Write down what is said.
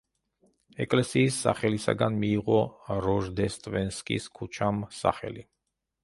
ეკლესიის სახელისაგან მიიღო როჟდესტვენსკის ქუჩამ სახელი.